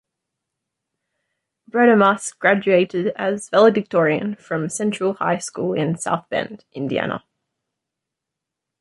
Brademas graduated as valedictorian from Central High School in South Bend, Indiana.